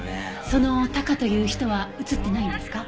そのタカという人は映ってないんですか？